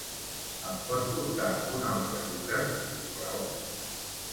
Em pot portar un altre sucre, si us plau?